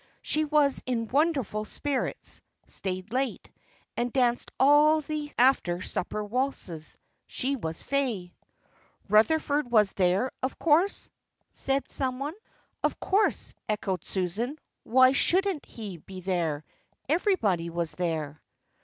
She was in wonderful spirits, stayed late, and danced all the after supper waltzes. She was fey." "Rutherford was there, of course?" said someone. "Of course," echoed Susan; "why shouldn't he be there? Everybody was there."